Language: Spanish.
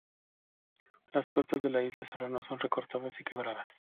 Las costas de la isla Serrano son recortadas y quebradas.